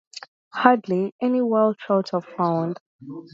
Hardly any wild trout are found.